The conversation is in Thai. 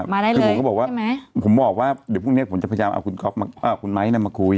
ผมก็บอกว่าเดี๋ยวพรุ่งเนี้ยผมจะพยายามเอาคุณก๊อบเอาคุณไม้น่ะมาคุย